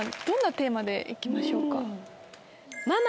どんなテーマで行きましょうか？